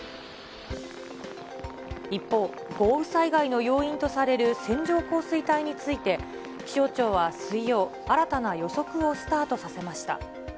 一方、豪雨災害の要因とされる線状降水帯について、気象庁は水曜、新たな予測をスタートさせました。